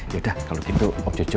yaudah kalo gitu om jojo